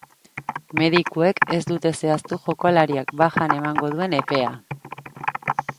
Medikuek ez dute zehaztu jokalariak bajan emango duen epea.